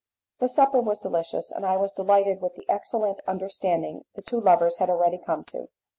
The supper was delicious, and I was delighted with the excellent understanding the two lovers had already come to.